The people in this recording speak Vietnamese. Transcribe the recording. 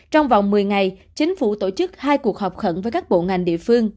trong vòng một mươi ngày chính phủ tổ chức hai cuộc họp khẩn với các bộ ngành địa phương